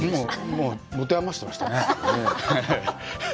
もうもてあましてましたね、え。